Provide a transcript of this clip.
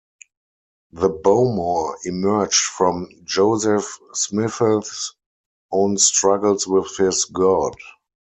The BoMor emerged from Joseph Smith's own struggles with his God.